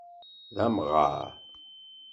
D amɣaṛ.